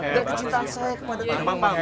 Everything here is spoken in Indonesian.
dari cinta saya kepada kalian